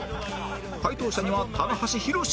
解答者には棚橋弘至も